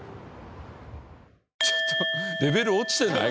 ちょっレベル落ちてない？